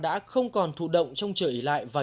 đã trở thành một thói quen